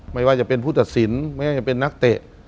ไม่ว่าจะเป็นผู้ตัดสินไม่ว่าจะเป็นนักเตะ